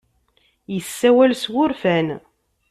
Yessawal s wurfan.